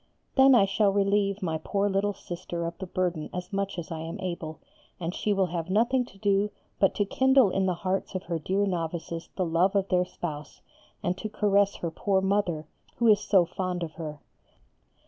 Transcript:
Then I shall relieve my poor little Sister of the burden as much as I am able, and she will have nothing to do but to kindle in the hearts of her dear novices the love of their Spouse, and to caress her poor mother, who is so fond of her.